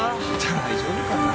大丈夫かな？